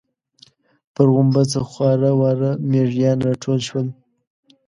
پر غومبسه خواره واره مېږيان راټول شول.